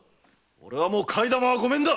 俺はもう替え玉はご免だ！